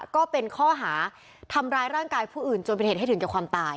ก็เป็นข้อหาทำร้ายร่างกายผู้อื่นจนเป็นเหตุให้ถึงแก่ความตาย